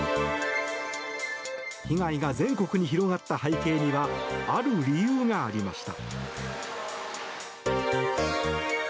被害が全国に広がった背景にはある理由がありました。